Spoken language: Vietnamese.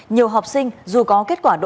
nhiều học sinh dù có kết quả đỗ đại học